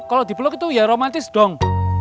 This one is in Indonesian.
kalau di blok itu ya romantis dong